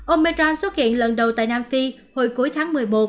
omerran xuất hiện lần đầu tại nam phi hồi cuối tháng một mươi một